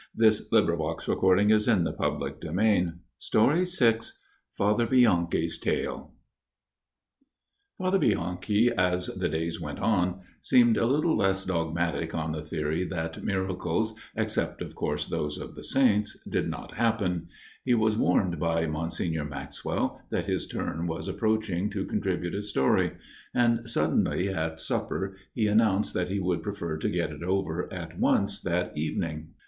He stood up smiling. VI Father Bianchi's Story l fioOo) VI Father Bianchi's Story T7ATHER BIANCHI, as the days went on, seemed a little less dogmatic on the theory that miracles (except of course those of the saints) did not happen. He was warned by Monsignor Maxwell that his turn was approaching to contribute a story ; and suddenly at supper he announced that he would prefer to get it over at once that evening.